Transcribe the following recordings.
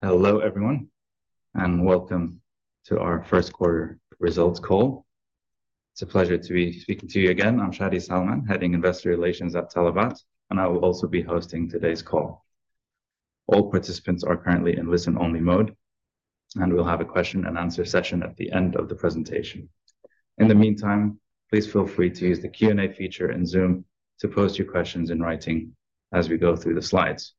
Hello, everyone, and Welcome To Our First Quarter Results Call. It's a pleasure to be speaking to you again. I'm Shadi Salman, heading investor relations at Talabat, and I will also be hosting today's call. All participants are currently in listen-only mode, and we'll have a question-and-answer session at the end of the presentation. In the meantime, please feel free to use the Q&A feature in Zoom to post your questions in writing as we go through the slides.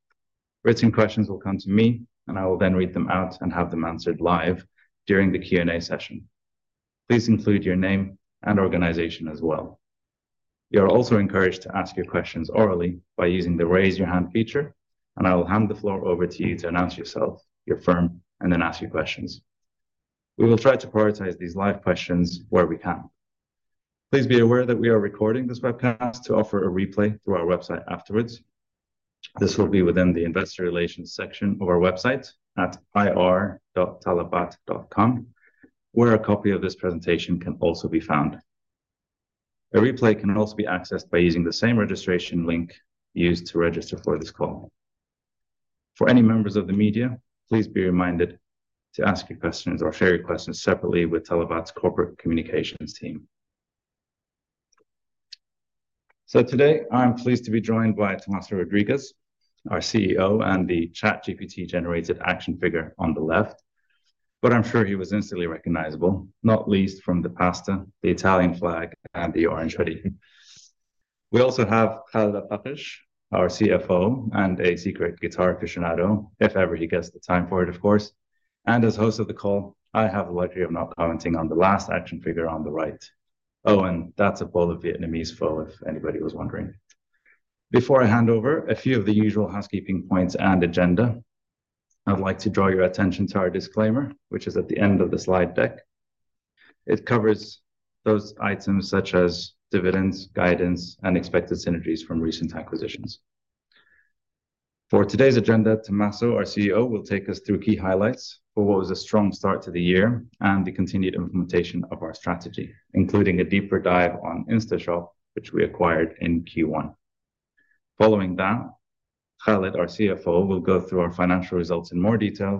Written questions will come to me, and I will then read them out and have them answered live during the Q&A session. Please include your name and organization as well. You are also encouraged to ask your questions orally by using the raise-your-hand feature, and I will hand the floor over to you to announce yourself, your firm, and then ask your questions. We will try to prioritize these live questions where we can. Please be aware that we are recording this webcast to offer a replay through our website afterwards. This will be within the investor relations section of our website at ir.talabat.com, where a copy of this presentation can also be found. A replay can also be accessed by using the same registration link used to register for this call. For any members of the media, please be reminded to ask your questions or share your questions separately with Talabat's corporate communications team. Today, I'm pleased to be joined by Tomaso Rodriguez, our CEO and the ChatGPT-generated action figure on the left, but I'm sure he was instantly recognizable, not least from the pasta, the Italian flag, and the orange hoodie. We also have Khaled Alfakesh, our CFO, and a secret guitar aficionado, if ever he gets the time for it, of course. As host of the call, I have the luxury of not commenting on the last action figure on the right. Oh, and that's a bowl of Vietnamese pho, if anybody was wondering. Before I hand over, a few of the usual housekeeping points and agenda. I'd like to draw your attention to our disclaimer, which is at the end of the slide deck. It covers those items such as dividends, guidance, and expected synergies from recent acquisitions. For today's agenda, Tomaso, our CEO, will take us through key highlights for what was a strong start to the year and the continued implementation of our strategy, including a deep dive on InstaShop, which we acquired in Q1. Following that, Khaled, our CFO, will go through our financial results in more detail,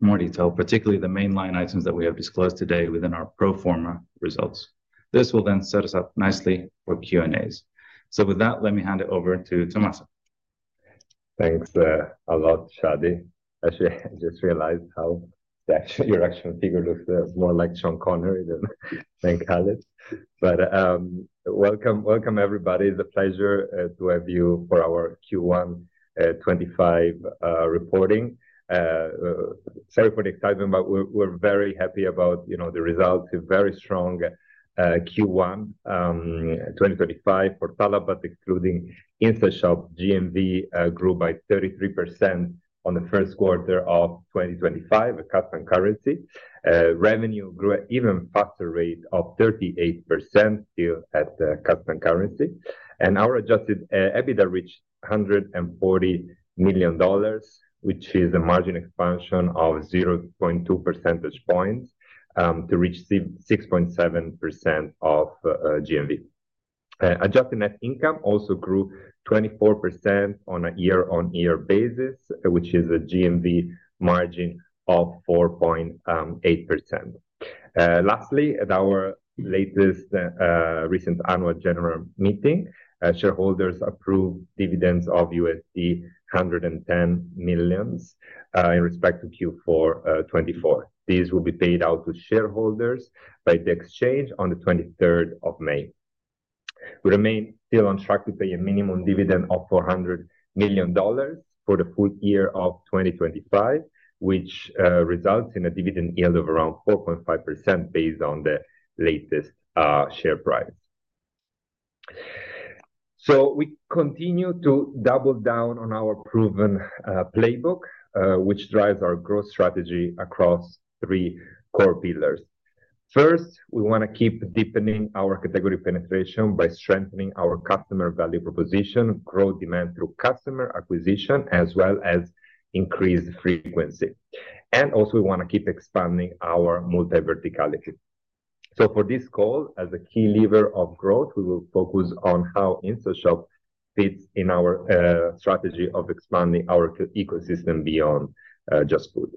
particularly the main line items that we have disclosed today within our pro forma results. This will then set us up nicely for Q&As. With that, let me hand it over to Tomaso. Thanks a lot, Shadi. I just realized how your action figure looks more like Sean Connery than Khaled. But welcome, everybody. It's a pleasure to have you for our Q1 2025 reporting. Sorry for the excitement, but we're very happy about the results. A very strong Q1 2025 for Talabat, excluding Instashop, GMV grew by 33% on the first quarter of 2025, cut-through currency. Revenue grew at an even faster rate of 38% still at cut-through currency. And our adjusted EBITDA reached $140 million, which is a margin expansion of 0.2 % points to reach 6.7% of GMV. Adjusted net income also grew 24% on a year-on-year basis, which is a GMV margin of 4.8%. Lastly, at our latest recent annual general meeting, shareholders approved dividends of $110 million in respect to Q4 2024. These will be paid out to shareholders by the exchange on the 23rd of May. We remain still on track to pay a minimum dividend of $400 million for the full year of 2025, which results in a dividend yield of around 4.5% based on the latest share price. We continue to double down on our proven playbook, which drives our growth strategy across three core pillars. First, we want to keep deepening our category penetration by strengthening our customer value proposition, grow demand through customer acquisition, as well as increased frequency. We also want to keep expanding our multi-verticality. For this call, as a key lever of growth, we will focus on how Instashop fits in our strategy of expanding our ecosystem beyond just food.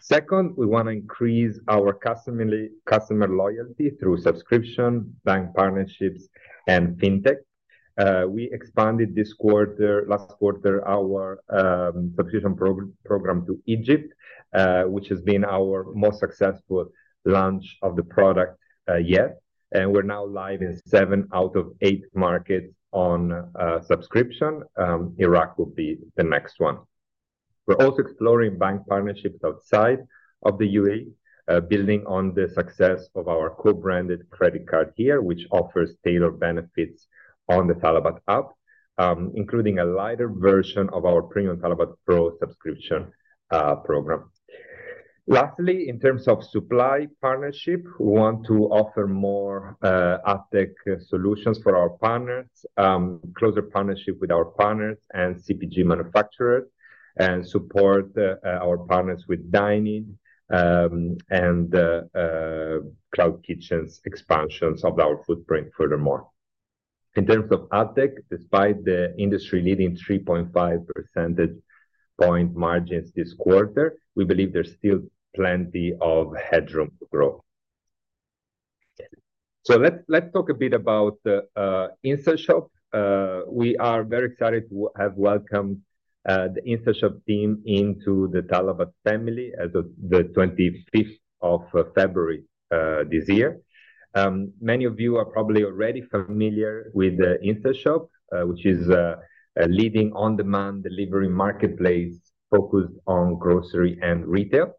Second, we want to increase our customer loyalty through subscription, bank partnerships, and fintech. We expanded this quarter, last quarter, our subscription program to Egypt, which has been our most successful launch of the product yet. We're now live in seven out of eight markets on subscription. Iraq will be the next one. We're also exploring bank partnerships outside of the UAE, building on the success of our co-branded credit card here, which offers tailored benefits on the Talabat app, including a lighter version of our premium Talabat Pro subscription program. Lastly, in terms of supply partnership, we want to offer more ad-tech solutions for our partners, closer partnership with our partners and CPG manufacturers, and support our partners with dining and cloud kitchens expansions of our footprint furthermore. In terms of ad-tech, despite the industry-leading 3.5 percentage point margins this quarter, we believe there's still plenty of headroom to grow. Let's talk a bit about Instashop. We are very excited to have welcomed the Instashop team into the Talabat family as of the 25th of February this year. Many of you are probably already familiar with Instashop, which is a leading on-demand delivery marketplace focused on grocery and retail.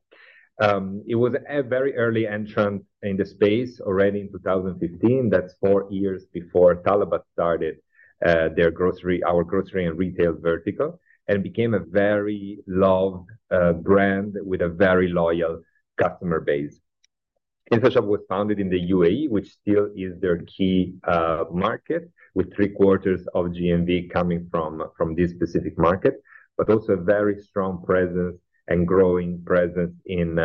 It was a very early entrant in the space already in 2015. That's four years before Talabat started our grocery and retail vertical and became a very loved brand with a very loyal customer base. Instashop was founded in the UAE, which still is their key market, with three quarters of GMV coming from this specific market, but also a very strong presence and growing presence in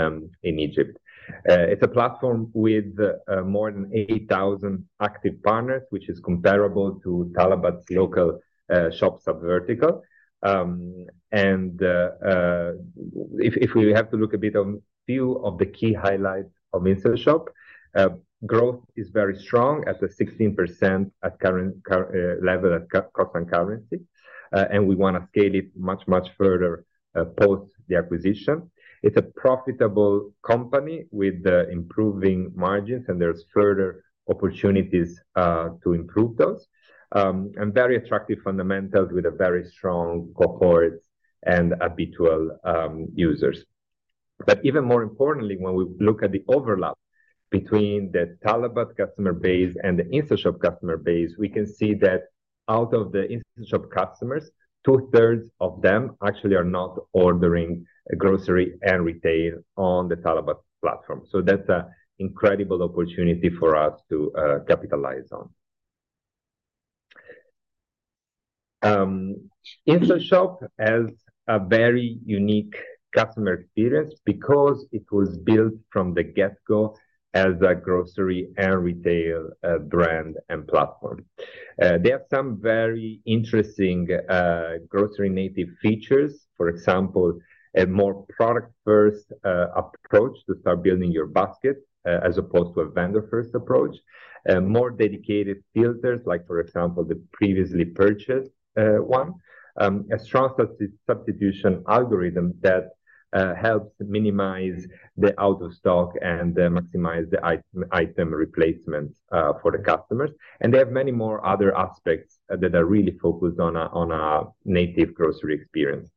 Egypt. It's a platform with more than 8,000 active partners, which is comparable to Talabat's local shop subvertical. If we have to look a bit at a few of the key highlights of Instashop, growth is very strong at the 16% level at constant currency, and we want to scale it much, much further post the acquisition. It's a profitable company with improving margins, and there's further opportunities to improve those, and very attractive fundamentals with a very strong cohort and habitual users. Even more importantly, when we look at the overlap between the Talabat customer base and the Instashop customer base, we can see that out of the Instashop customers, two-thirds of them actually are not ordering grocery and retail on the Talabat platform. That's an incredible opportunity for us to capitalize on. Instashop has a very unique customer experience because it was built from the get-go as a grocery and retail brand and platform. They have some very interesting grocery-native features, for example, a more product-first approach to start building your basket as opposed to a vendor-first approach, more dedicated filters, like, for example, the previously purchased one, a strong substitution algorithm that helps minimize the out-of-stock and maximize the item replacement for the customers. They have many more other aspects that are really focused on a native grocery experience.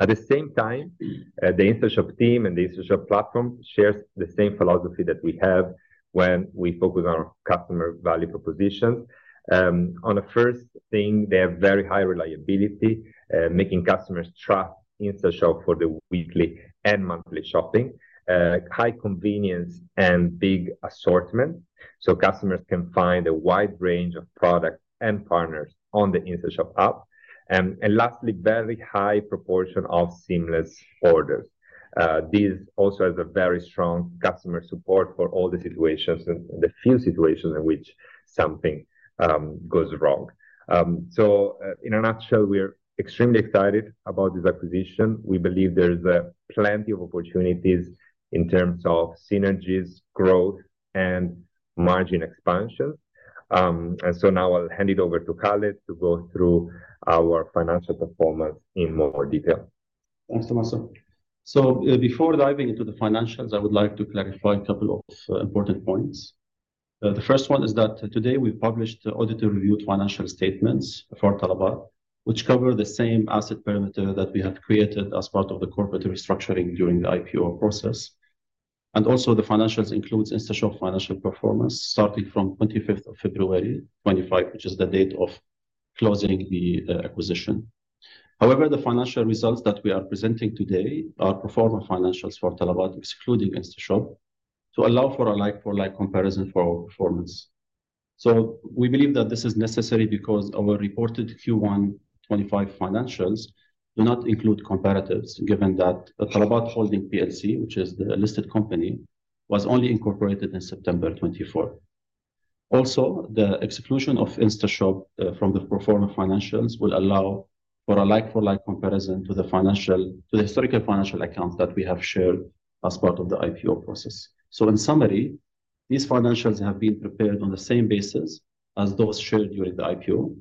At the same time, the Instashop team and the Instashop platform share the same philosophy that we have when we focus on our customer value propositions. On the first thing, they have very high reliability, making customers trust Instashop for the weekly and monthly shopping, high convenience, and big assortment. Customers can find a wide range of products and partners on the Instashop app. Lastly, very high proportion of seamless orders. This also has a very strong customer support for all the situations and the few situations in which something goes wrong. In a nutshell, we're extremely excited about this acquisition. We believe there's plenty of opportunities in terms of synergies, growth, and margin expansion. Now I'll hand it over to Khaled to go through our financial performance in more detail. Thanks, Tomaso. Before diving into the financials, I would like to clarify a couple of important points. The first one is that today we published auditor-reviewed financial statements for Talabat, which cover the same asset perimeter that we had created as part of the corporate restructuring during the IPO process. Also, the financials include Instashop financial performance starting from 25th of February 2025, which is the date of closing the acquisition. However, the financial results that we are presenting today are pro forma financials for Talabat, excluding Instashop, to allow for a like-for-like comparison for our performance. We believe that this is necessary because our reported Q1 2025 financials do not include comparatives, given that the Talabat Holding PLC, which is the listed company, was only incorporated in September 2024. Also, the exclusion of Instashop from the pro forma financials will allow for a like-for-like comparison to the historical financial accounts that we have shared as part of the IPO process. In summary, these financials have been prepared on the same basis as those shared during the IPO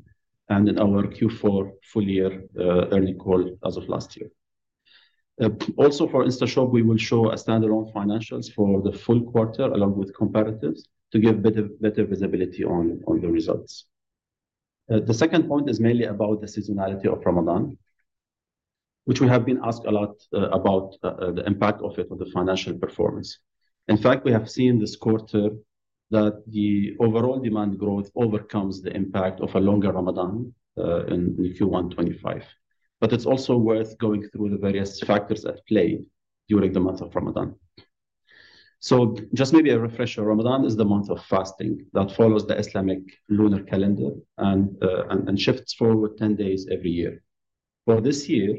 and in our Q4 full-year earning call as of last year. Also, for Instashop, we will show standalone financials for the full quarter along with comparatives to give better visibility on the results. The second point is mainly about the seasonality of Ramadan, which we have been asked a lot about the impact of it on the financial performance. In fact, we have seen this quarter that the overall demand growth overcomes the impact of a longer Ramadan in Q1 2025. It is also worth going through the various factors at play during the month of Ramadan. Just maybe a refresher, Ramadan is the month of fasting that follows the Islamic lunar calendar and shifts forward 10 days every year. For this year,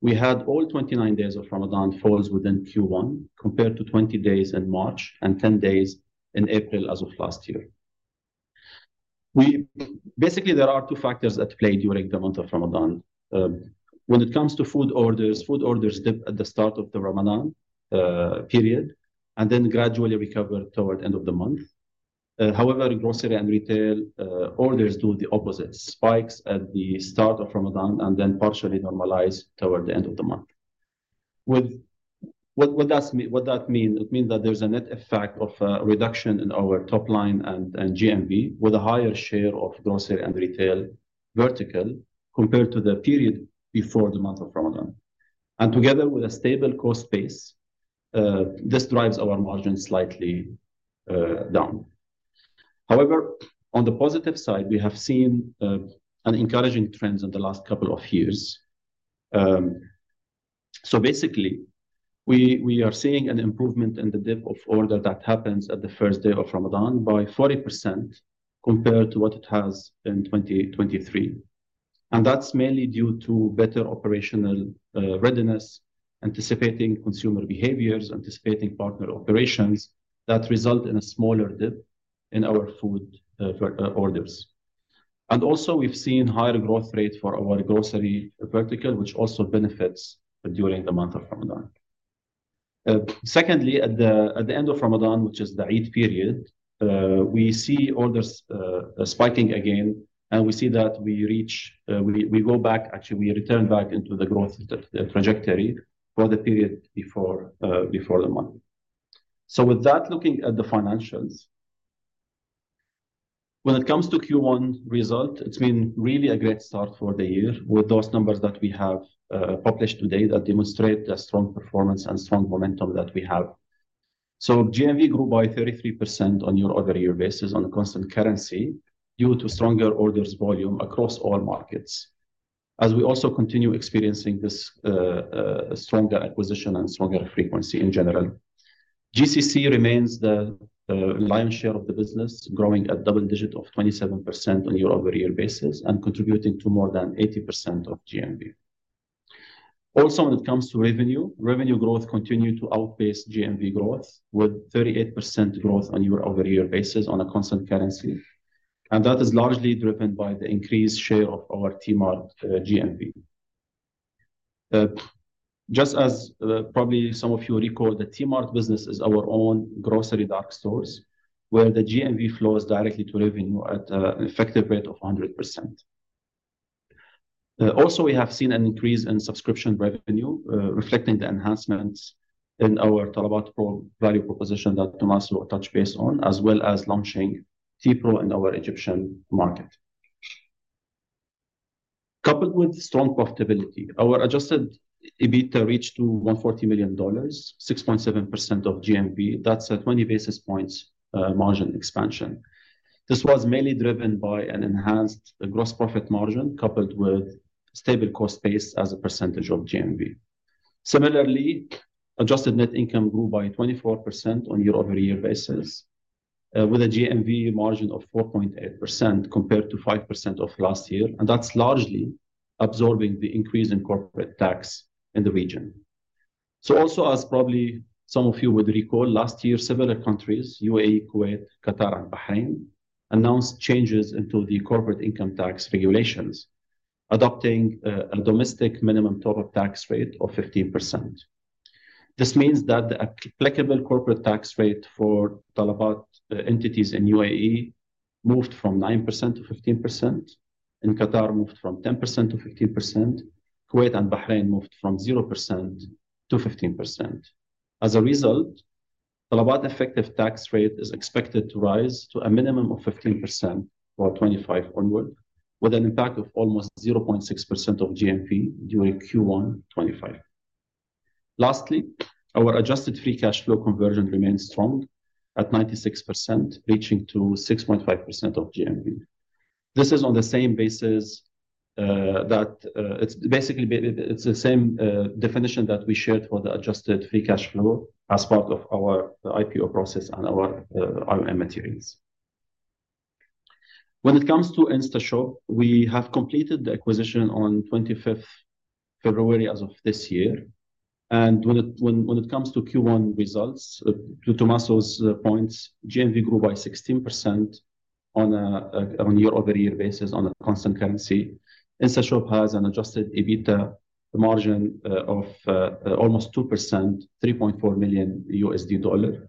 we had all 29 days of Ramadan fall within Q1 compared to 20 days in March and 10 days in April as of last year. Basically, there are two factors at play during the month of Ramadan. When it comes to food orders, food orders dip at the start of the Ramadan period and then gradually recover toward the end of the month. However, grocery and retail orders do the opposite, spike at the start of Ramadan and then partially normalize toward the end of the month. What does that mean? It means that there's a net effect of a reduction in our top line and GMV with a higher share of grocery and retail vertical compared to the period before the month of Ramadan. Together with a stable cost base, this drives our margin slightly down. However, on the positive side, we have seen encouraging trends in the last couple of years. Basically, we are seeing an improvement in the dip of order that happens at the first day of Ramadan by 40% compared to what it has in 2023. That's mainly due to better operational readiness, anticipating consumer behaviors, anticipating partner operations that result in a smaller dip in our food orders. Also, we've seen a higher growth rate for our grocery vertical, which also benefits during the month of Ramadan. Secondly, at the end of Ramadan, which is the Eid period, we see orders spiking again, and we see that we go back, actually, we return back into the growth trajectory for the period before the month. With that, looking at the financials, when it comes to Q1 result, it has been really a great start for the year with those numbers that we have published today that demonstrate the strong performance and strong momentum that we have. GMV grew by 33% on year-over-year basis on a constant currency due to stronger orders volume across all markets, as we also continue experiencing this stronger acquisition and stronger frequency in general. GCC remains the lion's share of the business, growing at double digits of 27% on year-over-year basis and contributing to more than 80% of GMV. Also, when it comes to revenue, revenue growth continued to outpace GMV growth with 38% growth on year-over-year basis on a constant currency. That is largely driven by the increased share of our Talabat Mart GMV. Just as probably some of you recall, the Talabat Mart business is our own grocery dark stores, where the GMV flows directly to revenue at an effective rate of 100%. Also, we have seen an increase in subscription revenue, reflecting the enhancements in our Talabat Pro value proposition that Tomaso touched base on, as well as launching Talabat Pro in our Egyptian market. Coupled with strong profitability, our adjusted EBITDA reached $140 million, 6.7% of GMV. That's a 20 basis points margin expansion. This was mainly driven by an enhanced gross profit margin coupled with stable cost base as a percentage of GMV. Similarly, adjusted net income grew by 24% on year-over-year basis with a GMV margin of 4.8% compared to 5% of last year. That is largely absorbing the increase in corporate tax in the region. Also, as probably some of you would recall, last year, similar countries, UAE, Kuwait, Qatar, and Bahrain, announced changes into the corporate income tax regulations, adopting a domestic minimum total tax rate of 15%. This means that the applicable corporate tax rate for Talabat entities in UAE moved from 9% to 15%. In Qatar, it moved from 10% to 15%. Kuwait and Bahrain moved from 0% to 15%. As a result, Talabat effective tax rate is expected to rise to a minimum of 15% for 2025 onward, with an impact of almost 0.6% of GMV during Q1 2025. Lastly, our adjusted free cash flow conversion remains strong at 96%, reaching 6.5% of GMV. This is on the same basis that it's basically the same definition that we shared for the adjusted free cash flow as part of our IPO process and our IOM materials. When it comes to Instashop, we have completed the acquisition on 25th February as of this year. When it comes to Q1 results, to Tomaso's points, GMV grew by 16% on a year-over-year basis on a constant currency. Instashop has an adjusted EBITDA margin of almost 2%, $3.4 million.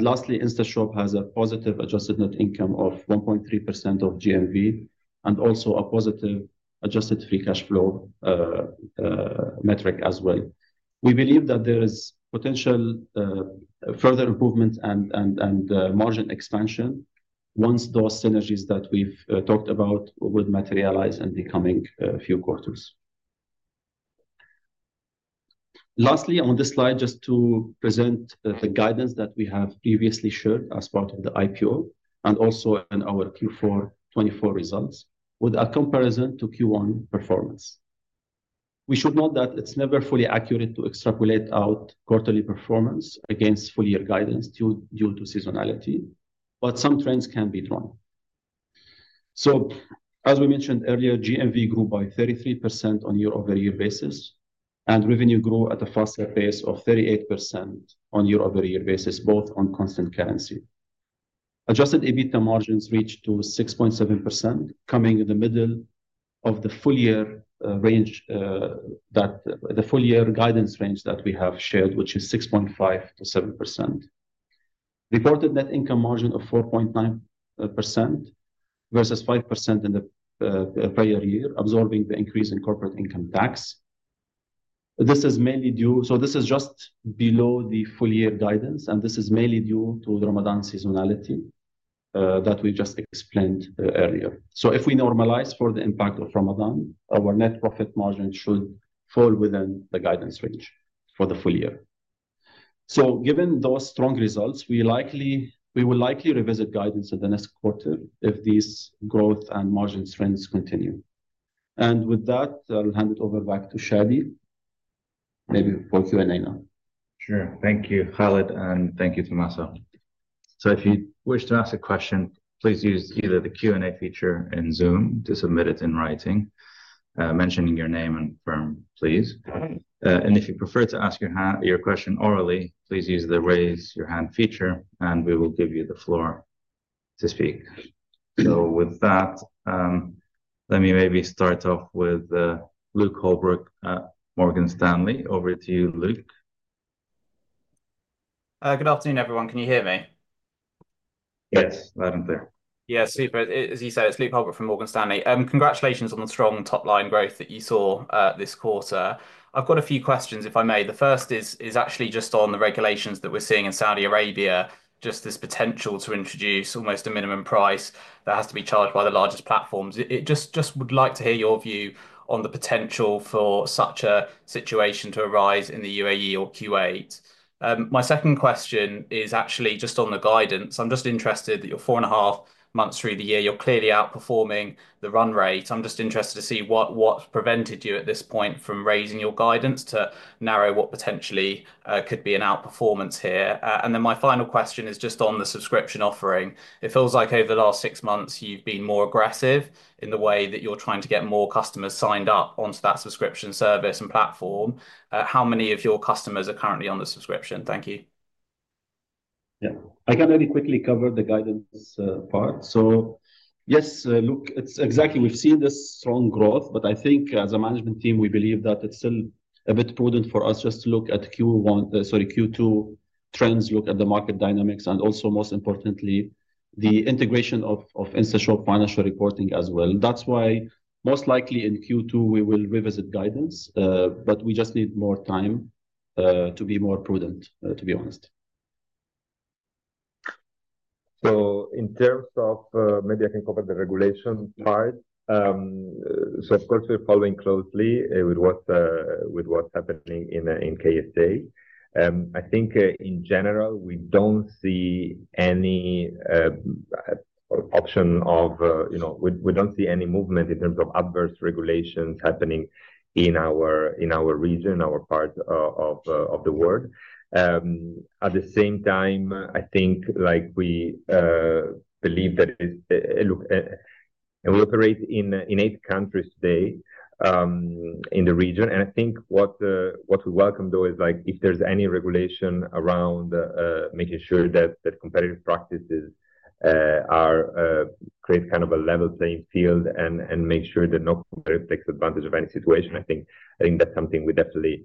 Lastly, Instashop has a positive adjusted net income of 1.3% of GMV and also a positive adjusted free cash flow metric as well. We believe that there is potential further improvement and margin expansion once those synergies that we've talked about would materialize in the coming few quarters. Lastly, on this slide, just to present the guidance that we have previously shared as part of the IPO and also in our Q4 2024 results with a comparison to Q1 performance. We should note that it's never fully accurate to extrapolate out quarterly performance against full-year guidance due to seasonality, but some trends can be drawn. As we mentioned earlier, GMV grew by 33% on year-over-year basis, and revenue grew at a faster pace of 38% on year-over-year basis, both on constant currency. Adjusted EBITDA margins reached 6.7%, coming in the middle of the full-year guidance range that we have shared, which is 6.5%-7%. Reported net income margin of 4.9% versus 5% in the prior year, absorbing the increase in corporate income tax. This is mainly due to—this is just below the full-year guidance, and this is mainly due to Ramadan seasonality that we just explained earlier. If we normalize for the impact of Ramadan, our net profit margin should fall within the guidance range for the full year. Given those strong results, we will likely revisit guidance in the next quarter if these growth and margin trends continue. With that, I'll hand it over back to Shadi. Maybe for Q&A now. Sure. Thank you, Khaled, and thank you, Tomaso. If you wish to ask a question, please use either the Q&A feature in Zoom to submit it in writing, mentioning your name and firm, please. If you prefer to ask your question orally, please use the raise your hand feature, and we will give you the floor to speak. With that, let me maybe start off with Luke Holbrook at Morgan Stanley. Over to you, Luke. Good afternoon, everyone. Can you hear me? Yes, loud and clear. Yeah, super. As you said, it's Luke Holbrook from Morgan Stanley. Congratulations on the strong top-line growth that you saw this quarter. I've got a few questions, if I may. The first is actually just on the regulations that we're seeing in Saudi Arabia, just this potential to introduce almost a minimum price that has to be charged by the largest platforms. I just would like to hear your view on the potential for such a situation to arise in the UAE or Kuwait. My second question is actually just on the guidance. I'm just interested that you're four and a half months through the year, you're clearly outperforming the run rate. I'm just interested to see what prevented you at this point from raising your guidance to narrow what potentially could be an outperformance here. My final question is just on the subscription offering. It feels like over the last six months, you've been more aggressive in the way that you're trying to get more customers signed up onto that subscription service and platform. How many of your customers are currently on the subscription? Thank you. Yeah, I can only quickly cover the guidance part. Yes, Luke, it's exactly—we've seen this strong growth, but I think as a management team, we believe that it's still a bit prudent for us just to look at Q1, sorry, Q2 trends, look at the market dynamics, and also, most importantly, the integration of Instashop financial reporting as well. That's why most likely in Q2, we will revisit guidance, but we just need more time to be more prudent, to be honest. In terms of—maybe I can cover the regulation part. Of course, we're following closely with what's happening in KSA. I think in general, we don't see any option of—we don't see any movement in terms of adverse regulations happening in our region, our part of the world. At the same time, I think we believe that we operate in eight countries today in the region. I think what we welcome, though, is if there's any regulation around making sure that competitive practices create kind of a level playing field and make sure that no competitor takes advantage of any situation. I think that's something we definitely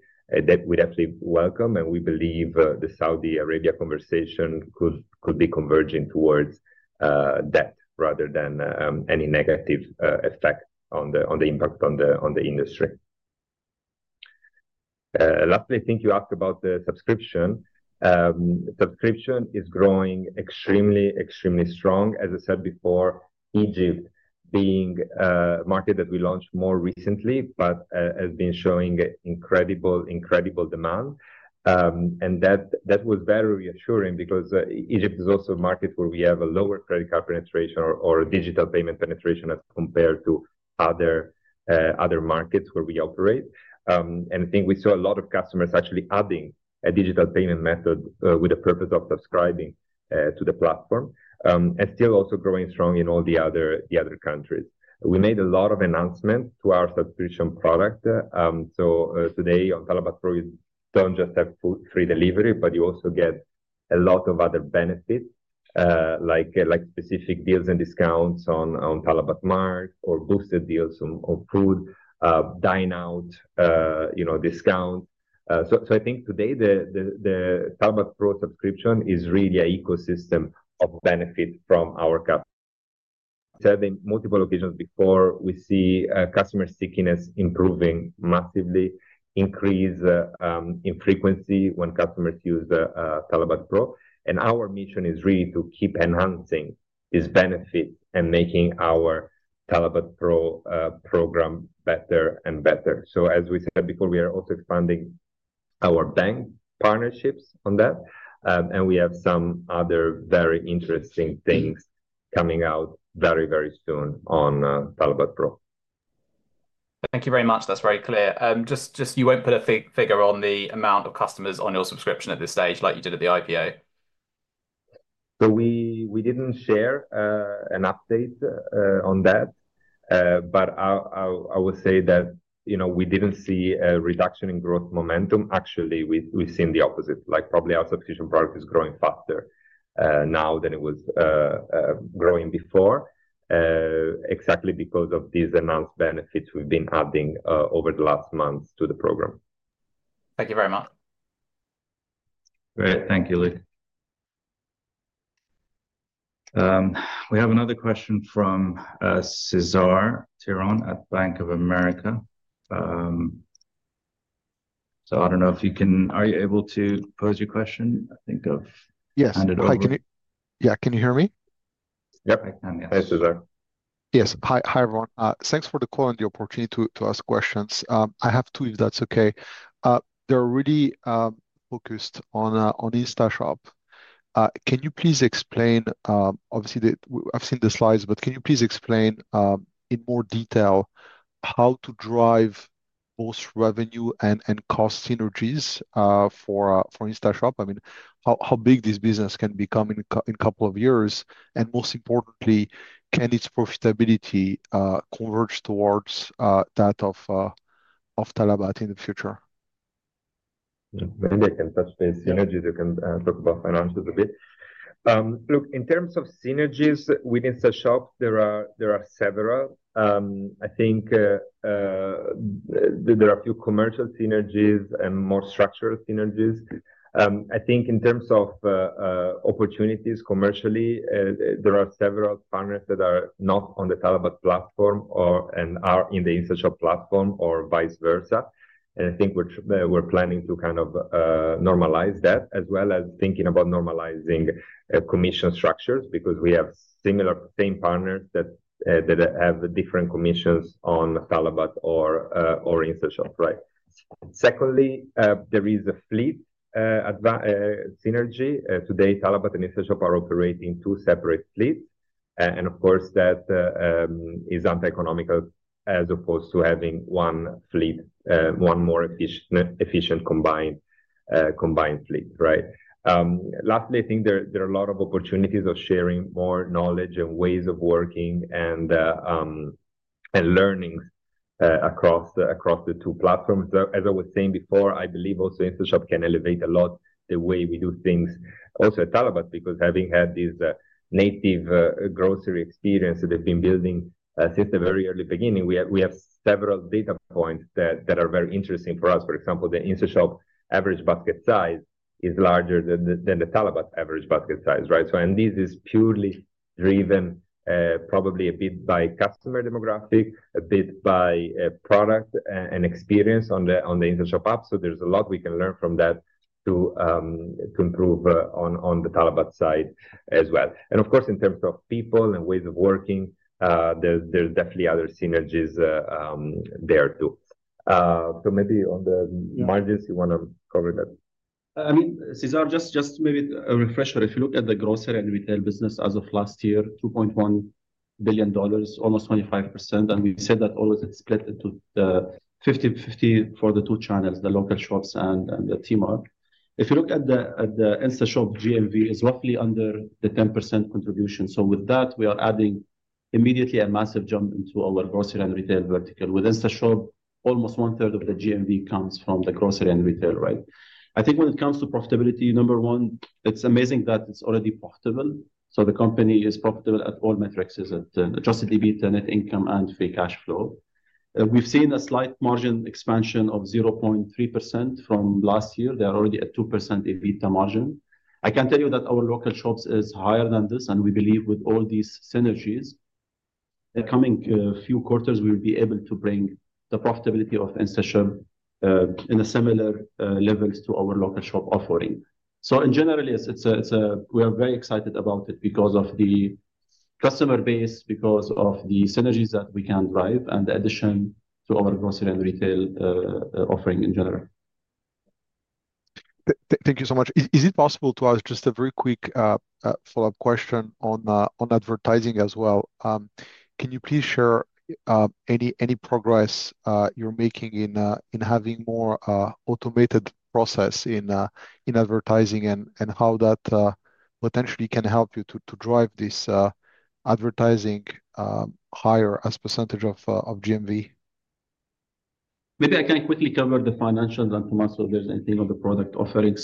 welcome. We believe the Saudi Arabia conversation could be converging towards that rather than any negative effect on the impact on the industry. Lastly, I think you asked about the subscription. Subscription is growing extremely, extremely strong. As I said before, Egypt being a market that we launched more recently, but has been showing incredible demand. That was very reassuring because Egypt is also a market where we have a lower credit card penetration or digital payment penetration as compared to other markets where we operate. I think we saw a lot of customers actually adding a digital payment method with the purpose of subscribing to the platform and still also growing strong in all the other countries. We made a lot of announcements to our subscription product. Today on Talabat Pro, you do not just have free delivery, but you also get a lot of other benefits like specific deals and discounts on Talabat Mart or boosted deals on food, dine-out discounts. I think today the Talabat Pro subscription is really an ecosystem of benefit from our customers. I said in multiple occasions before, we see customer stickiness improving massively, increase in frequency when customers use Talabat Pro. Our mission is really to keep enhancing these benefits and making our Talabat Pro program better and better. As we said before, we are also expanding our bank partnerships on that. We have some other very interesting things coming out very, very soon on Talabat Pro. Thank you very much. That's very clear. Just you won't put a figure on the amount of customers on your subscription at this stage like you did at the IPO. We did not share an update on that, but I will say that we did not see a reduction in growth momentum. Actually, we have seen the opposite. Probably our subscription product is growing faster now than it was growing before, exactly because of these announced benefits we have been adding over the last months to the program. Thank you very much. Great. Thank you, Luke. We have another question from Cesar Tiron at Bank of America. I do not know if you can—are you able to pose your question? I think I have handed over. Yes. Yeah, can you hear me? Yep, I can, yes. Hi, Cesar. Yes. Hi, everyone. Thanks for the call and the opportunity to ask questions. I have two, if that's okay. They're really focused on Instashop. Can you please explain—obviously, I've seen the slides, but can you please explain in more detail how to drive both revenue and cost synergies for Instashop? I mean, how big this business can become in a couple of years? And most importantly, can its profitability converge towards that of Talabat in the future? Maybe I can touch the synergies. You can talk about financials a bit. Look, in terms of synergies with Instashop, there are several. I think there are a few commercial synergies and more structural synergies. I think in terms of opportunities commercially, there are several partners that are not on the Talabat platform and are in the Instashop platform or vice versa. I think we're planning to kind of normalize that as well as thinking about normalizing commission structures because we have similar same partners that have different commissions on Talabat or Instashop, right? Secondly, there is a fleet synergy. Today, Talabat and Instashop are operating two separate fleets. Of course, that is anti-economical as opposed to having one fleet, one more efficient combined fleet, right? Lastly, I think there are a lot of opportunities of sharing more knowledge and ways of working and learnings across the two platforms. As I was saying before, I believe also Instashop can elevate a lot the way we do things also at Talabat because having had this native grocery experience that they've been building since the very early beginning, we have several data points that are very interesting for us. For example, the Instashop average basket size is larger than the Talabat average basket size, right? This is purely driven probably a bit by customer demographic, a bit by product and experience on the Instashop app. There is a lot we can learn from that to improve on the Talabat side as well. Of course, in terms of people and ways of working, there are definitely other synergies there too. Maybe on the margins, you want to cover that? I mean, Cesar, just maybe a refresher. If you look at the grocery and retail business as of last year, $2.1 billion, almost 25%. We said that all of it is split into 50/50 for the two channels, the local shops and the TMAR. If you look at the Instashop GMV, it's roughly under the 10% contribution. With that, we are adding immediately a massive jump into our grocery and retail vertical. With Instashop, almost one-third of the GMV comes from the grocery and retail, right? I think when it comes to profitability, number one, it's amazing that it's already profitable. The company is profitable at all metrics, adjusted EBITDA, net income, and free cash flow. We've seen a slight margin expansion of 0.3% from last year. They are already at 2% EBITDA margin. I can tell you that our local shops is higher than this, and we believe with all these synergies, in the coming few quarters, we will be able to bring the profitability of Instashop in a similar level to our local shop offering. In general, we are very excited about it because of the customer base, because of the synergies that we can drive, and the addition to our grocery and retail offering in general. Thank you so much. Is it possible to ask just a very quick follow-up question on advertising as well? Can you please share any progress you're making in having more automated process in advertising and how that potentially can help you to drive this advertising higher as percentage of GMV? Maybe I can quickly cover the financials and Tomaso if there's anything on the product offering.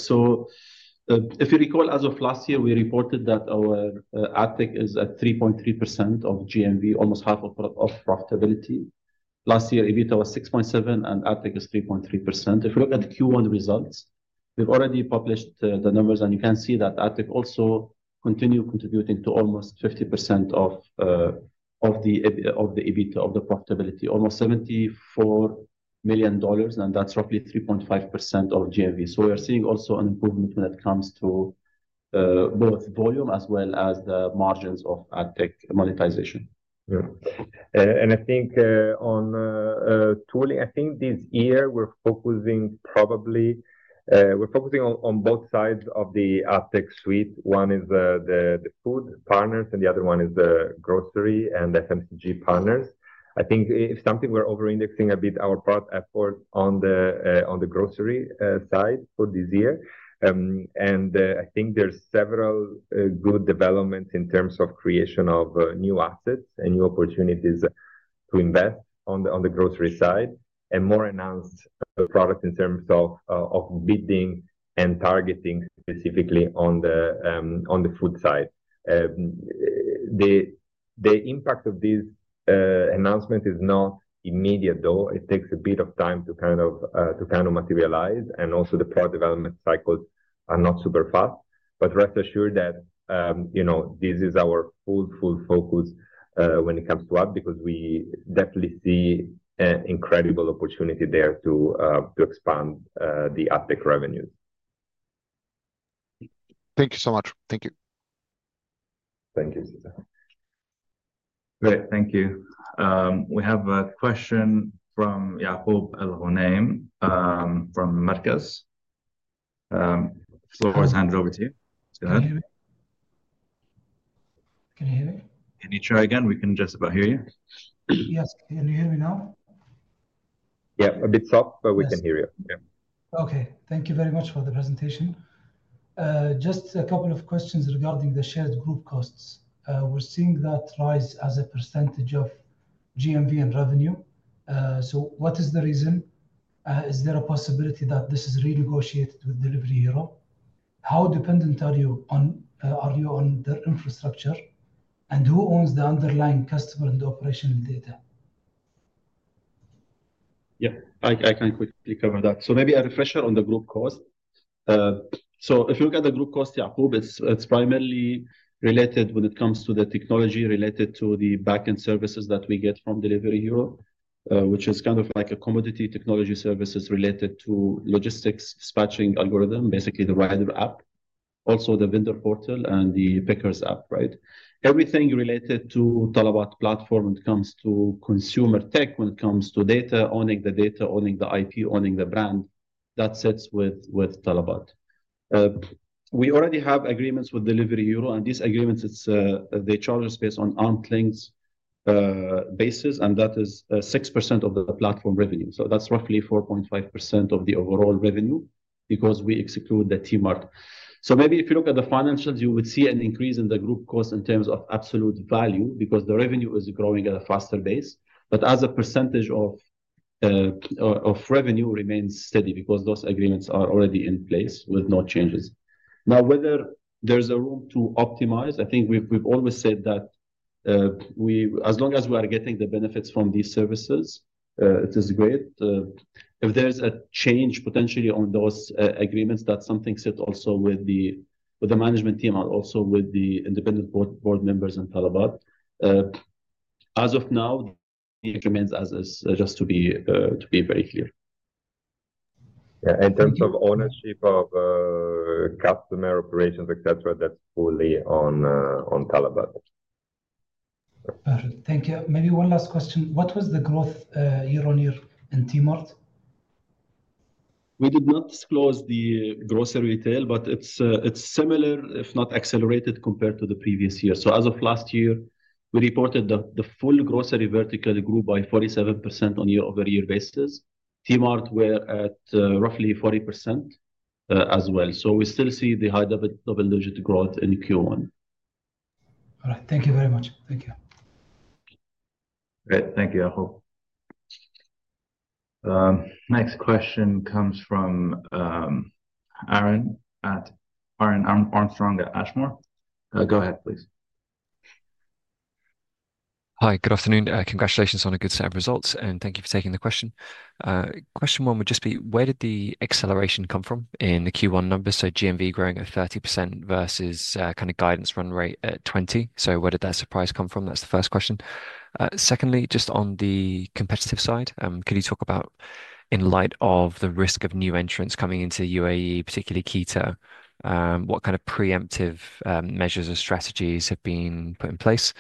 If you recall, as of last year, we reported that our Ad-Tech is at 3.3% of GMV, almost half of profitability. Last year, EBITDA was 6.7%, and Ad-Tech is 3.3%. If you look at Q1 results, we've already published the numbers, and you can see that Ad-Tech also continues contributing to almost 50% of the EBITDA of the profitability, almost $74 million, and that's roughly 3.5% of GMV. We are seeing also an improvement when it comes to both volume as well as the margins of Ad-Tech monetization. I think on tooling, I think this year, we're focusing probably on both sides of the Ad-Tech suite. One is the food partners, and the other one is the grocery and FMCG partners. I think if something, we're over-indexing a bit our product effort on the grocery side for this year. I think there's several good developments in terms of creation of new assets and new opportunities to invest on the grocery side and more announced products in terms of bidding and targeting specifically on the food side. The impact of this announcement is not immediate, though. It takes a bit of time to kind of materialize, and also the product development cycles are not super fast. Rest assured that this is our full focus when it comes to Ad-Tech because we definitely see an incredible opportunity there to expand the Ad-Tech revenues. Thank you so much. Thank you. Thank you, Cesar. Great. Thank you. We have a question from Yakob El-Rohaneim from Marques. Flores, hand it over to you. Can you hear me? Can you hear me? Can you try again? We can just about hear you. Yes. Can you hear me now? Yeah, a bit soft, but we can hear you. Okay. Thank you very much for the presentation. Just a couple of questions regarding the shared group costs. We're seeing that rise as a percentage of GMV and revenue. What is the reason? Is there a possibility that this is renegotiated with Delivery Hero? How dependent are you on their infrastructure? Who owns the underlying customer and operational data? Yeah, I can quickly cover that. Maybe a refresher on the group cost. If you look at the group cost, Yakob, it's primarily related when it comes to the technology related to the backend services that we get from Delivery Hero, which is kind of like a commodity technology services related to logistics dispatching algorithm, basically the Rider app, also the vendor portal and the pickers app, right? Everything related to Talabat platform when it comes to consumer tech, when it comes to data, owning the data, owning the IP, owning the brand, that sits with Talabat. We already have agreements with Delivery Hero, and these agreements, they charge us based on arm's length basis, and that is 6% of the platform revenue. That's roughly 4.5% of the overall revenue because we exclude the TMAR. If you look at the financials, you would see an increase in the group cost in terms of absolute value because the revenue is growing at a faster base. As a percentage of revenue, it remains steady because those agreements are already in place with no changes. Now, whether there is room to optimize, I think we have always said that as long as we are getting the benefits from these services, it is great. If there is a change potentially on those agreements, that is something set also with the management team and also with the independent board members in Talabat. As of now, the agreements, as is, just to be very clear. Yeah. In terms of ownership of customer operations, etc., that's fully on Talabat. Got it. Thank you. Maybe one last question. What was the growth year-on-year in Talabat Mart? We did not disclose the grocery retail, but it's similar, if not accelerated, compared to the previous year. As of last year, we reported the full grocery vertical grew by 47% on year-over-year basis. Talabat Mart were at roughly 40% as well. We still see the high double-digit growth in Q1. All right. Thank you very much. Thank you. Great. Thank you, Yakob. Next question comes from Aaron, Aaron Armstrong at Ashmore. Go ahead, please. Hi, good afternoon. Congratulations on a good set of results, and thank you for taking the question. Question one would just be, where did the acceleration come from in the Q1 numbers? So GMV growing at 30% versus kind of guidance run rate at 20%. Where did that surprise come from? That's the first question. Secondly, just on the competitive side, could you talk about in light of the risk of new entrants coming into UAE, particularly Kita? What kind of preemptive measures or strategies have been put in place?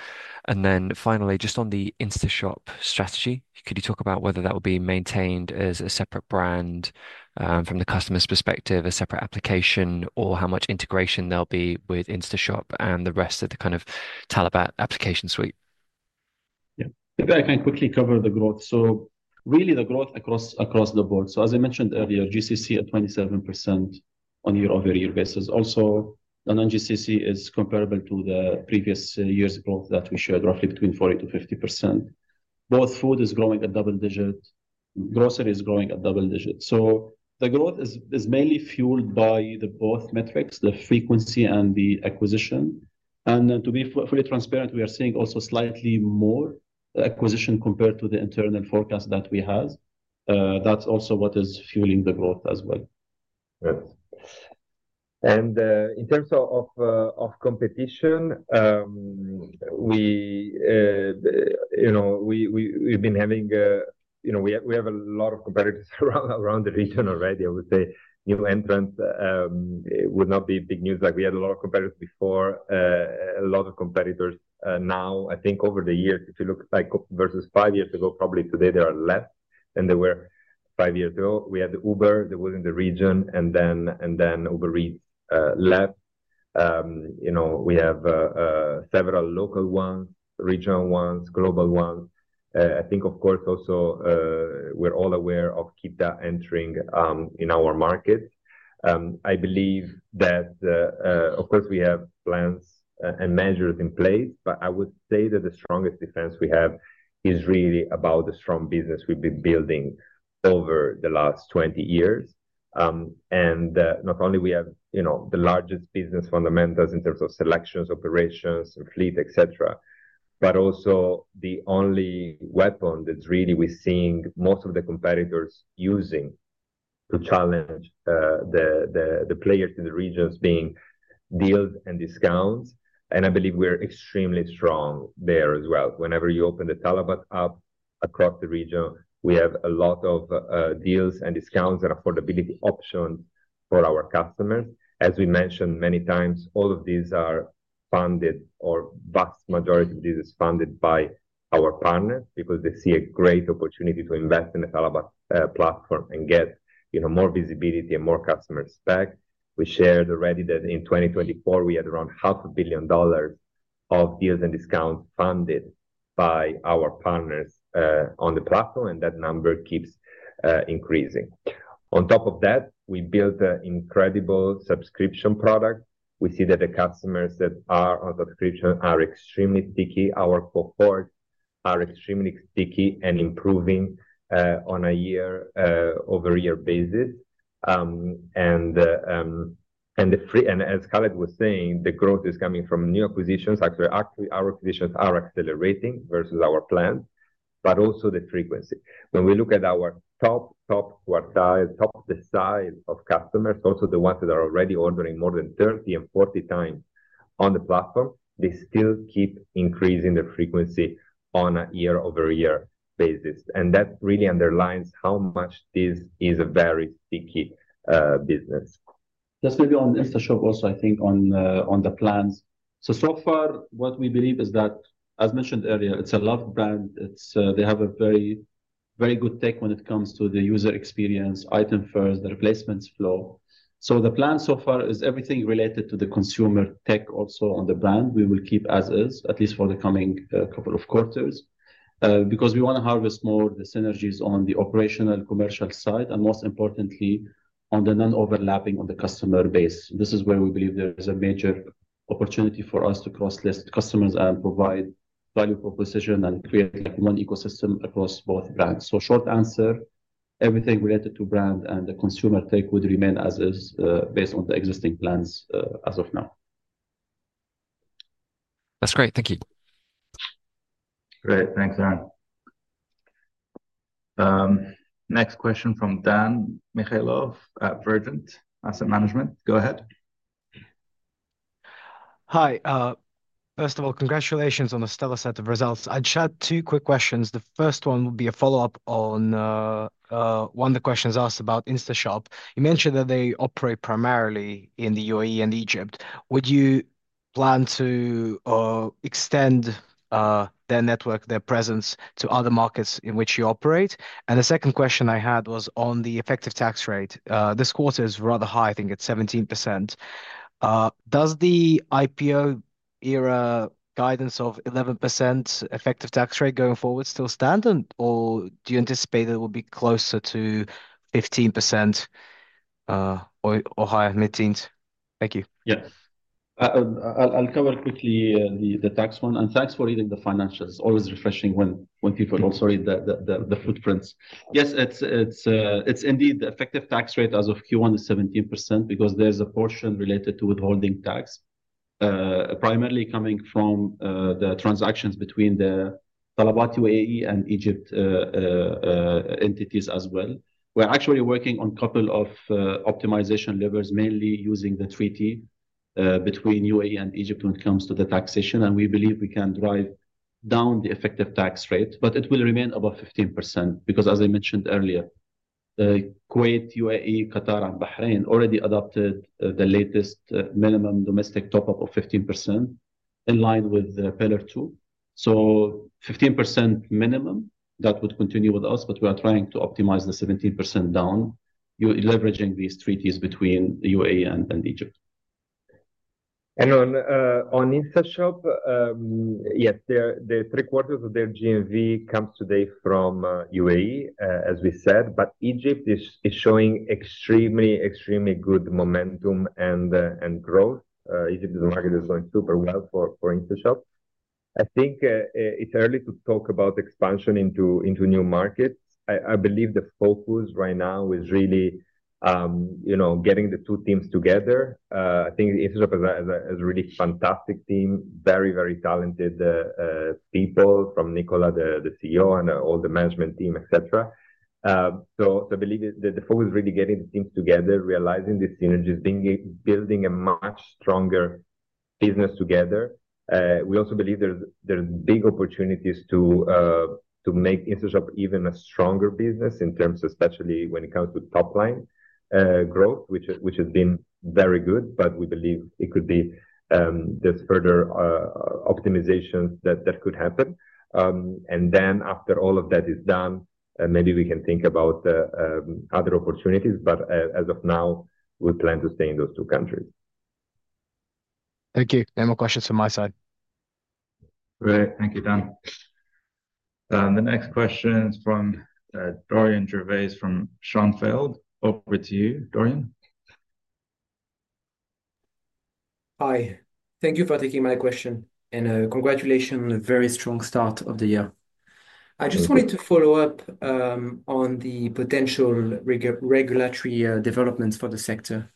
And then finally, just on the Instashop strategy, could you talk about whether that will be maintained as a separate brand from the customer's perspective, a separate application, or how much integration there'll be with Instashop and the rest of the kind of Talabat application suite? Yeah. If I can quickly cover the growth. Really, the growth across the board. As I mentioned earlier, GCC at 27% on year-over-year basis. Also, non-GCC is comparable to the previous year's growth that we showed, roughly between 40-50%. Both food is growing at double digit. Grocery is growing at double digit. The growth is mainly fueled by both metrics, the frequency and the acquisition. To be fully transparent, we are seeing also slightly more acquisition compared to the internal forecast that we have. That is also what is fueling the growth as well. Good. In terms of competition, we've been having, we have a lot of competitors around the region already. I would say new entrants would not be big news. We had a lot of competitors before, a lot of competitors now. I think over the years, if you look like versus five years ago, probably today there are less than there were five years ago. We had Uber that was in the region, and then Uber Eats left. We have several local ones, regional ones, global ones. I think, of course, also we're all aware of Kita entering in our market. I believe that, of course, we have plans and measures in place, but I would say that the strongest defense we have is really about the strong business we've been building over the last 20 years. Not only do we have the largest business fundamentals in terms of selections, operations, fleet, etc., but also the only weapon that really we're seeing most of the competitors using to challenge the players in the region is deals and discounts. I believe we're extremely strong there as well. Whenever you open the Talabat app across the region, we have a lot of deals and discounts and affordability options for our customers. As we mentioned many times, all of these are funded, or the vast majority of these is funded by our partners because they see a great opportunity to invest in the Talabat platform and get more visibility and more customer spec. We shared already that in 2024, we had around $500,000,000 of deals and discounts funded by our partners on the platform, and that number keeps increasing. On top of that, we built an incredible subscription product. We see that the customers that are on subscription are extremely sticky. Our cohorts are extremely sticky and improving on a year-over-year basis. As Khaled was saying, the growth is coming from new acquisitions. Actually, our acquisitions are accelerating versus our plans, but also the frequency. When we look at our top, top quartile, top decile of customers, also the ones that are already ordering more than 30 and 40 times on the platform, they still keep increasing their frequency on a year-over-year basis. That really underlines how much this is a very sticky business. Just maybe on Instashop also, I think on the plans. So far, what we believe is that, as mentioned earlier, it's a loved brand. They have a very, very good tech when it comes to the user experience, item first, the replacements flow. The plan so far is everything related to the consumer tech also on the brand. We will keep as is, at least for the coming couple of quarters because we want to harvest more the synergies on the operational commercial side and, most importantly, on the non-overlapping on the customer base. This is where we believe there is a major opportunity for us to cross-list customers and provide value proposition and create one ecosystem across both brands. Short answer, everything related to brand and the consumer tech would remain as is based on the existing plans as of now. That's great. Thank you. Great. Thanks, Aaron. Next question from Dan Mikhaylov at Vergent Asset Management. Go ahead. Hi. First of all, congratulations on a stellar set of results. I'd share two quick questions. The first one would be a follow-up on one of the questions asked about Instashop. You mentioned that they operate primarily in the UAE and Egypt. Would you plan to extend their network, their presence to other markets in which you operate? The second question I had was on the effective tax rate. This quarter is rather high. I think it's 17%. Does the IPO era guidance of 11% effective tax rate going forward still stand, or do you anticipate it will be closer to 15% or higher, Mid-teens? Thank you. Yeah. I'll cover quickly the tax one. Thanks for reading the financials. It's always refreshing when people also read the footprints. Yes, it's indeed the effective tax rate as of Q1 is 17% because there's a portion related to withholding tax, primarily coming from the transactions between the Talabat UAE and Egypt entities as well. We're actually working on a couple of optimization levers, mainly using the treaty between UAE and Egypt when it comes to the taxation. We believe we can drive down the effective tax rate, but it will remain above 15% because, as I mentioned earlier, Kuwait, UAE, Qatar and Bahrain already adopted the latest minimum domestic top-up of 15% in line with Pillar 2. 15% minimum, that would continue with us, but we are trying to optimize the 17% down, leveraging these treaties between UAE and Egypt. On Instashop, yes, three quarters of their GMV comes today from UAE, as we said, but Egypt is showing extremely, extremely good momentum and growth. Egypt is marketed so super well for Instashop. I think it's early to talk about expansion into new markets. I believe the focus right now is really getting the two teams together. I think Instashop has a really fantastic team, very, very talented people from Nicola, the CEO, and all the management team, etc. I believe the focus is really getting the teams together, realizing the synergies, building a much stronger business together. We also believe there are big opportunities to make Instashop even a stronger business in terms of, especially when it comes to top-line growth, which has been very good, but we believe it could be there's further optimizations that could happen. After all of that is done, maybe we can think about other opportunities, but as of now, we plan to stay in those two countries. Thank you. No more questions from my side. Great. Thank you, Dan. The next question is from Dorian Gervais from Schanfeld. Over to you, Dorian. Hi. Thank you for taking my question. Congratulations on a very strong start of the year. I just wanted to follow up on the potential regulatory developments for the sector.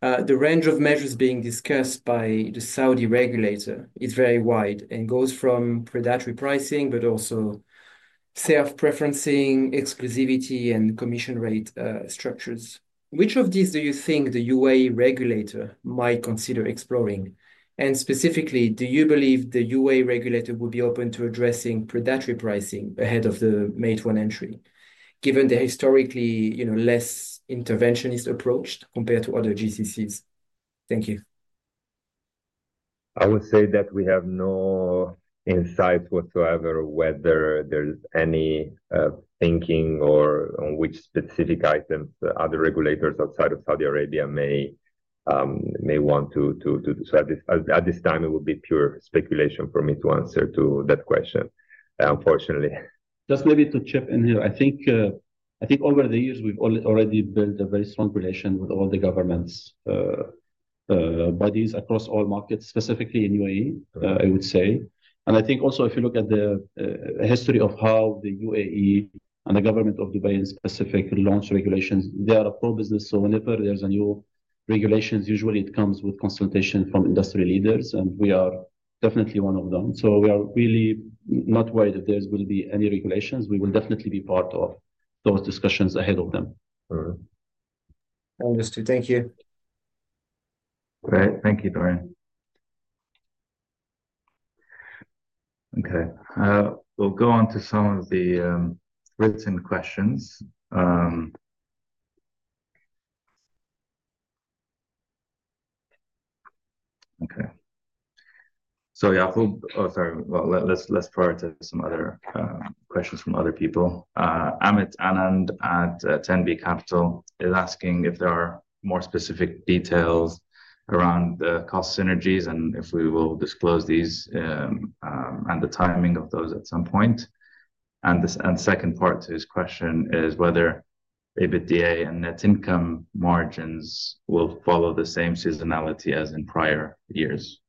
The range of measures being discussed by the Saudi regulator is very wide and goes from predatory pricing, but also self-preferencing, exclusivity, and commission rate structures. Which of these do you think the UAE regulator might consider exploring? Specifically, do you believe the UAE regulator would be open to addressing predatory pricing ahead of the May 2 entry, given the historically less interventionist approach compared to other GCCs? Thank you. I would say that we have no insights whatsoever whether there's any thinking or on which specific items other regulators outside of Saudi Arabia may want to do. At this time, it would be pure speculation for me to answer that question, unfortunately. Just maybe to chip in here, I think over the years, we've already built a very strong relation with all the government bodies across all markets, specifically in UAE, I would say. I think also, if you look at the history of how the UAE and the government of Dubai in specific launch regulations, they are pro-business. Whenever there's a new regulation, usually it comes with consultation from industry leaders, and we are definitely one of them. We are really not worried if there will be any regulations. We will definitely be part of those discussions ahead of them. Understood. Thank you. Great. Thank you, Dorian. Okay. We'll go on to some of the written questions. Okay. Yakob, sorry, let's prioritize some other questions from other people. Amit Anand at 10B Capital is asking if there are more specific details around the cost synergies and if we will disclose these and the timing of those at some point. The second part to his question is whether EBITDA and net income margins will follow the same seasonality as in prior years.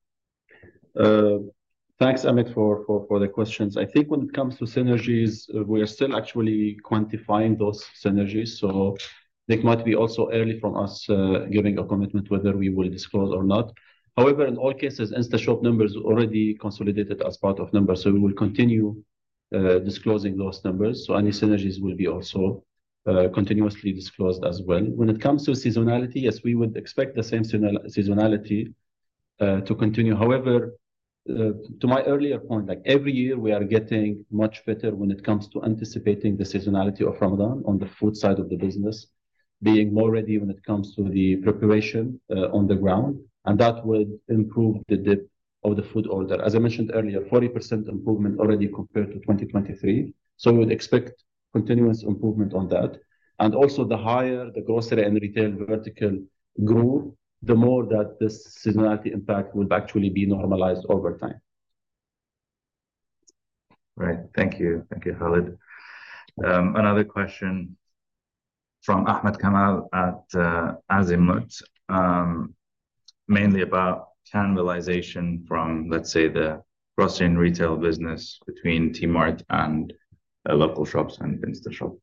Thanks, Amit, for the questions. I think when it comes to synergies, we are still actually quantifying those synergies. It might be also early for us giving a commitment whether we will disclose or not. However, in all cases, Instashop numbers are already consolidated as part of numbers, so we will continue disclosing those numbers. Any synergies will be also continuously disclosed as well. When it comes to seasonality, yes, we would expect the same seasonality to continue. However, to my earlier point, every year we are getting much better when it comes to anticipating the seasonality of Ramadan on the food side of the business, being more ready when it comes to the preparation on the ground. That would improve the dip of the food order. As I mentioned earlier, 40% improvement already compared to 2023. We would expect continuous improvement on that. Also, the higher the grocery and retail vertical grew, the more that the seasonality impact would actually be normalized over time. Great. Thank you. Thank you, Khaled. Another question from Ahmed Kamal at Azimut, mainly about cannibalization from, let's say, the grocery and retail business between Talabat Mart and local shops and Instashop.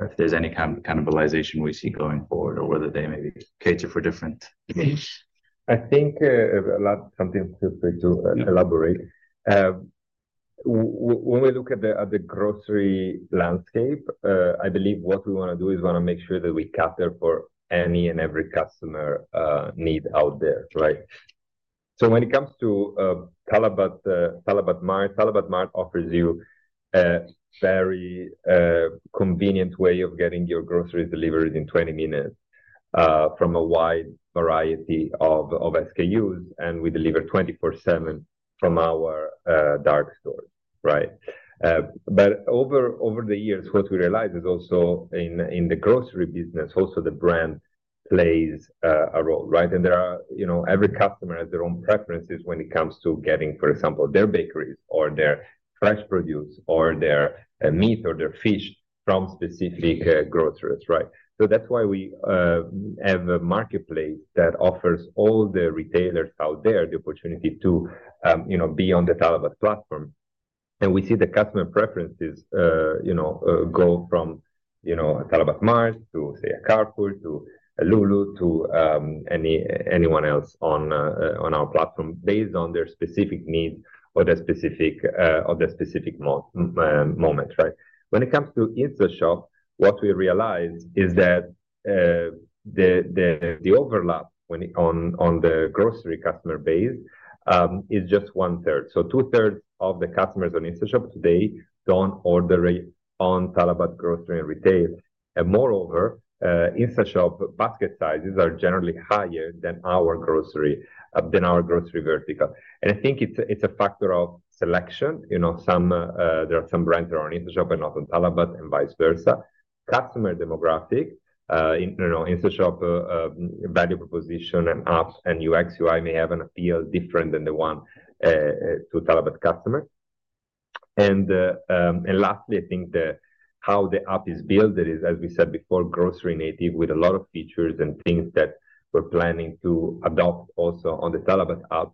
If there's any cannibalization we see going forward or whether they maybe cater for different needs. I think a lot of something to elaborate. When we look at the grocery landscape, I believe what we want to do is want to make sure that we cater for any and every customer need out there, right? When it comes to Talabat Mart, Talabat Mart offers you a very convenient way of getting your groceries delivered in 20 minutes from a wide variety of SKUs, and we deliver 24/7 from our dark store, right? Over the years, what we realized is also in the grocery business, also the brand plays a role, right? Every customer has their own preferences when it comes to getting, for example, their bakeries or their fresh produce or their meat or their fish from specific groceries, right? That is why we have a marketplace that offers all the retailers out there the opportunity to be on the Talabat platform. We see the customer preferences go from Talabat Mart to, say, a Carrefour to Lulu to anyone else on our platform based on their specific needs or the specific moment, right? When it comes to Instashop, what we realized is that the overlap on the grocery customer base is just one-third. Two-thirds of the customers on Instashop today do not order on Talabat grocery and retail. Moreover, Instashop basket sizes are generally higher than our grocery vertical. I think it is a factor of selection. There are some brands that are on Instashop and not on Talabat and vice versa. Customer demographic, Instashop value proposition and apps and UX/UI may have an appeal different than the one to Talabat customers. Lastly, I think how the app is built is, as we said before, grocery native with a lot of features and things that we're planning to adopt also on the Talabat app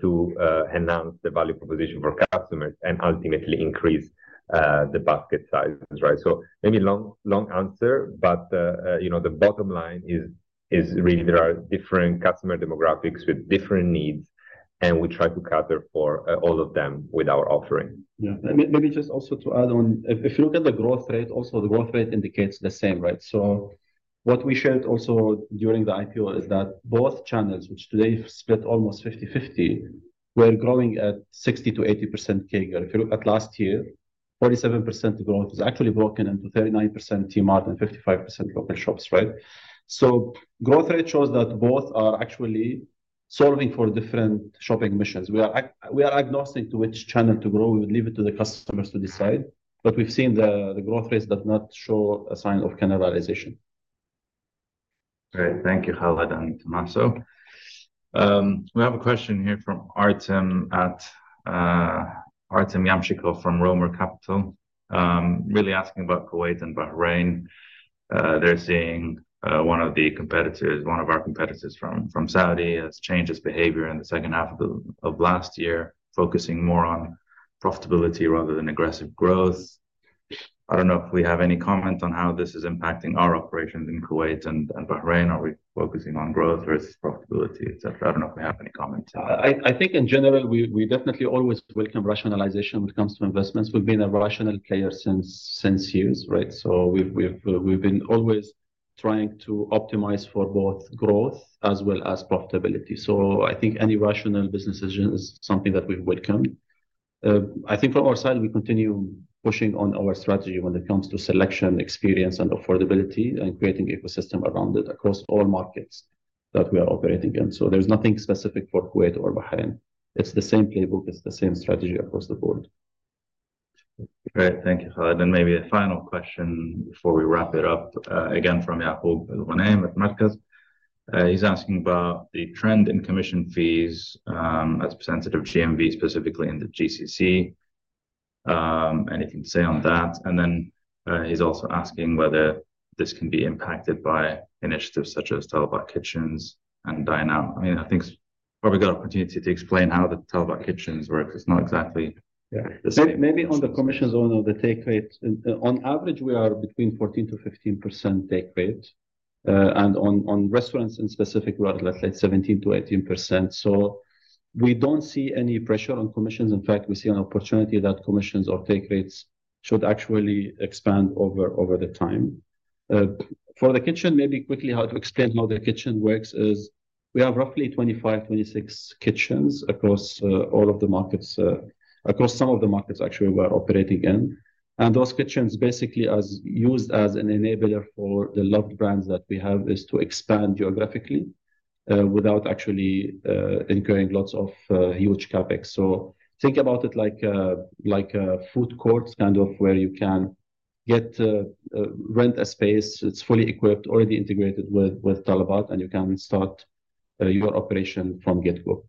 to enhance the value proposition for customers and ultimately increase the basket sizes, right? Maybe long answer, but the bottom line is really there are different customer demographics with different needs, and we try to cater for all of them with our offering. Yeah. Maybe just also to add on, if you look at the growth rate, also the growth rate indicates the same, right? So what we shared also during the IPO is that both channels, which today split almost 50/50, were growing at 60-80% CAGR. If you look at last year, 47% growth is actually broken into 39% Talabat Mart and 55% local shops, right? So growth rate shows that both are actually solving for different shopping missions. We are agnostic to which channel to grow. We would leave it to the customers to decide, but we've seen the growth rates do not show a sign of cannibalization. Great. Thank you, Khaled and Tomaso. We have a question here from Artem Yamchikov from Roamer Capital, really asking about Kuwait and Bahrain. They're seeing one of the competitors, one of our competitors from Saudi, has changed its behavior in the second half of last year, focusing more on profitability rather than aggressive growth. I don't know if we have any comment on how this is impacting our operations in Kuwait and Bahrain, or are we focusing on growth versus profitability, etc.? I don't know if we have any comments. I think in general, we definitely always welcome rationalization when it comes to investments. We've been a rational player since years, right? We've been always trying to optimize for both growth as well as profitability. I think any rational business is something that we welcome. I think from our side, we continue pushing on our strategy when it comes to selection, experience, and affordability, and creating an ecosystem around it across all markets that we are operating in. There's nothing specific for Kuwait or Bahrain. It's the same playbook. It's the same strategy across the board. Great. Thank you, Khaled. Maybe a final question before we wrap it up. Again, from Yakob, there is one name, Matrakas. He is asking about the trend in commission fees as percentage of GMV, specifically in the GCC. Anything to say on that? He is also asking whether this can be impacted by initiatives such as Talabat Kitchens and Dynam. I mean, I think we probably got an opportunity to explain how the Talabat Kitchens work. It is not exactly the same. Maybe on the commissions or the take rate. On average, we are between 14-15% take rate. And on restaurants in specific, we are at, let's say, 17-18%. We do not see any pressure on commissions. In fact, we see an opportunity that commissions or take rates should actually expand over time. For the kitchen, maybe quickly how to explain how the kitchen works is we have roughly 25-26 kitchens across all of the markets, across some of the markets actually we are operating in. Those kitchens basically are used as an enabler for the loved brands that we have to expand geographically without actually incurring lots of huge CapEx. Think about it like a food court kind of where you can rent a space. It is fully equipped, already integrated with Talabat, and you can start your operation from get-go.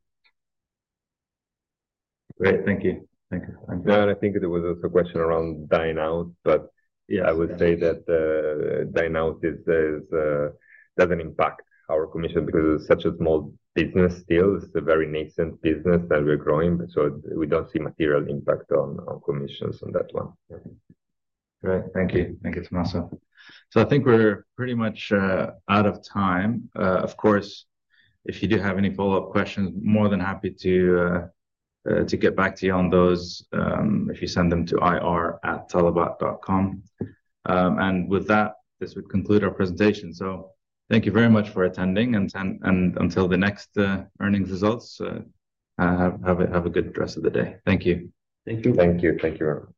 Great. Thank you. Dan, I think there was also a question around Dynam, but I would say that Dynam doesn't impact our commission because it's such a small business still. It's a very nascent business that we're growing. We don't see material impact on commissions on that one. Great. Thank you. Thank you, Tomaso. I think we're pretty much out of time. Of course, if you do have any follow-up questions, more than happy to get back to you on those if you send them to ir@talabat.com. With that, this would conclude our presentation. Thank you very much for attending, and until the next earnings results, have a good rest of the day. Thank you. Thank you. Thank you. Thank you very much.